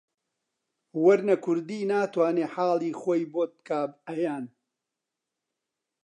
وەرنە کوردی ناتوانێ حاڵی خۆی بۆت کا عەیان